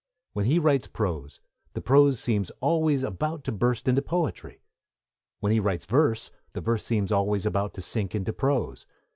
When he writes prose, the prose seems always about to burst into poetry; when he writes verse, the verse seems always about to sink into prose.